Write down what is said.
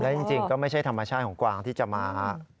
จริงก็ไม่ใช่ธรรมชาติของกวางที่จะมา